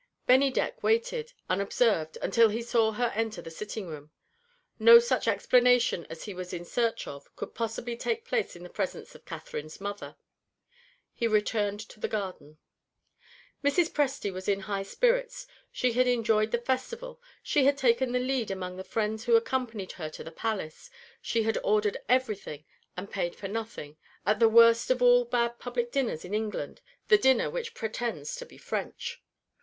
Bennydeck waited, unobserved, until he saw her enter the sitting room. No such explanation as he was in search of could possibly take place in the presence of Catherine's mother. He returned to the garden. Mrs. Presty was in high spirits. She had enjoyed the Festival; she had taken the lead among the friends who accompanied her to the Palace; she had ordered everything, and paid for nothing, at that worst of all bad public dinners in England, the dinner which pretends to be French.